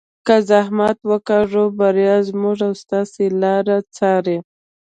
که زحمت وکاږو بریا زموږ او ستاسو لار څاري.